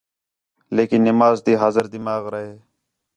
لیکن نماز تی حاضر دماغ رِہ